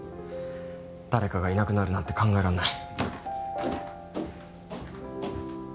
誰かがいなくなるなんて考えらんない・